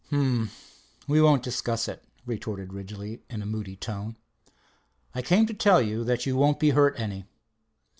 "H'm, we won't discuss it," retorted Ridgely in a moody tone. "I came to tell you that you won't be hurt any."